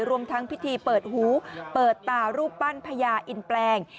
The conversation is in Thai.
รวมทั้งพิธีเปิดหูเปิดตารูปปั้นพญาอินแปลง